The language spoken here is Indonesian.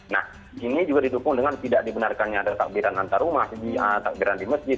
nah ini juga didukung dengan tidak dibenarkannya ada takbiran antar rumah takbiran di masjid